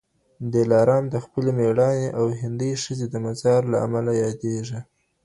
دلارام د خپلې مېړانې او د هندۍ ښځي د مزار له امله یادېږي.